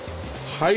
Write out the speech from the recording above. はい！